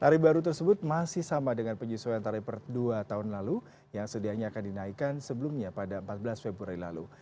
tarif baru tersebut masih sama dengan penyesuaian tarif per dua tahun lalu yang sedianya akan dinaikkan sebelumnya pada empat belas februari lalu